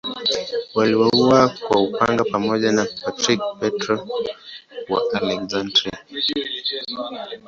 Waliuawa kwa upanga pamoja na Patriarki Petro I wa Aleksandria.